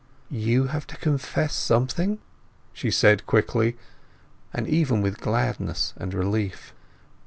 "You have to confess something?" she said quickly, and even with gladness and relief.